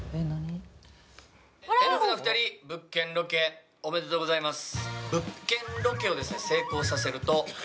エルフの２人、物件ロケおめでとうございます。